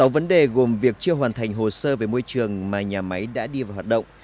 sáu vấn đề gồm việc chưa hoàn thành hồ sơ về môi trường mà nhà máy đã đi vào hoạt động